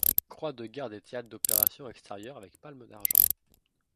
Croix de guerre des Théâtres d’Opérations Extérieurs avec palme d’argent.